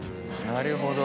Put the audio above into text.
なるほど。